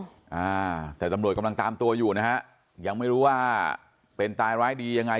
อ่าแต่ตำรวจกำลังตามตัวอยู่นะฮะยังไม่รู้ว่าเป็นตายร้ายดียังไง